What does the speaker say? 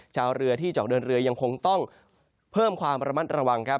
ชาวเรือที่จะออกเดินเรือยังคงต้องเพิ่มความระมัดระวังครับ